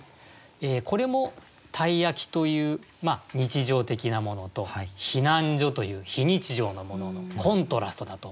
これも「鯛焼」という日常的なものと「避難所」という非日常のもののコントラストだと思うんですね。